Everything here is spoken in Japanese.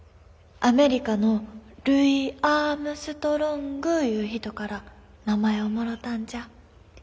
アメリカのルイ・アームストロングいう人から名前をもろたんじゃ。